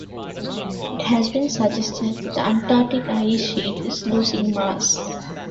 It has been suggested that the Antarctic ice sheet is losing mass.